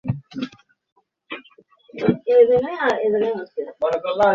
বাংলাদেশের অর্থনীতি প্রত্যক্ষ করে অবদান তুলনামূলকভাবে কম।